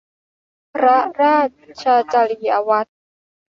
พระราชจริยวัตร